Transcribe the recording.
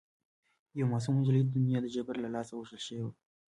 یوه معصومه نجلۍ د دنیا د جبر له لاسه وژل شوې وه